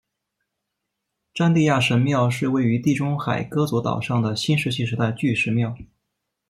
詹蒂亚神庙是位于地中海戈佐岛上的新石器时代巨石庙。